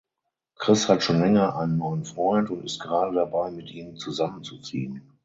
Chris hat schon länger einen neuen Freund und ist gerade dabei mit ihm zusammenzuziehen.